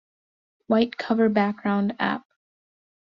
White cover background, app.